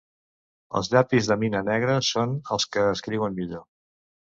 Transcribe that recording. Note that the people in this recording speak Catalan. Els llapis de mina negra són els que escriuen millor.